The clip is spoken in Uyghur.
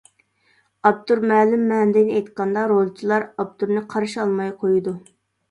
ئاپتور مەلۇم مەنىدىن ئېيتقاندا، رولچىلار ئاپتورنى قارشى ئالماي قويىدۇ.